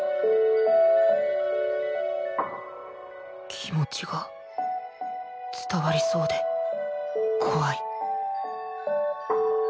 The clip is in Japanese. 気持ちが伝わりそうで怖い